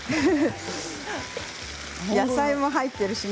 野菜が入っているしね。